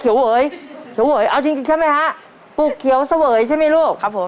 เวยเขียวเวยเอาจริงจริงใช่ไหมฮะปลูกเขียวเสวยใช่ไหมลูกครับผม